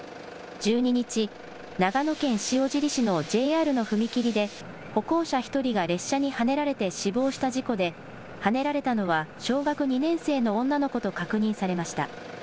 １２日、長野県塩尻市のＪＲの踏切で、歩行者１人が列車にはねられて死亡した事故で、はねられたのは小学２年生の女の子と確認されました。